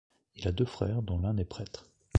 Il a deux frères dont l'un est prêtre.